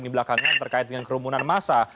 ini belakangnya terkait dengan kerumunan massa